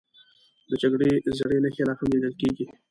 د جګړې زړې نښې لا هم لیدل کېږي.